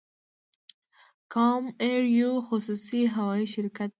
کام ایر یو خصوصي هوایی شرکت دی